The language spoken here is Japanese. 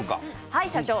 はい社長！